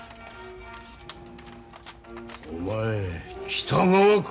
お前北川か。